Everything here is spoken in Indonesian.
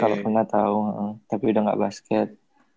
kalau pernah tahu tapi udah gak basket